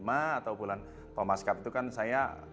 atau bulan pemaskap itu kan saya